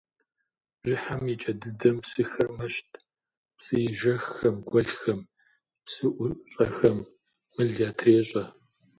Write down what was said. Бжьыхьэм и кӏэ дыдэм псыхэр мэщт – псыежэххэм, гуэлхэм, псыӏущӏэхэм мыл ятрещӏэ.